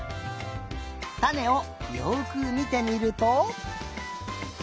たねをよくみてみると。